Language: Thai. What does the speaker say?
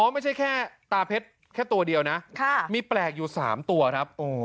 อ๋อไม่ใช่แค่ตาเพชรแค่ตัวเดียวนะไม่แค่สามตัวครับ